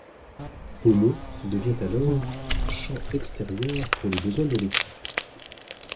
Beaumont devient alors champ extérieur pour les besoins de l'équipe.